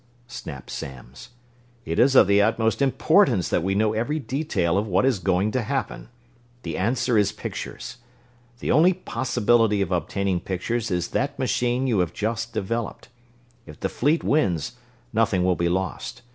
snapped Samms. "It is of the utmost importance that we know every detail of what is going to happen. The answer is pictures. The only possibility of obtaining pictures is that machine you have just developed. If the fleet wins, nothing will be lost.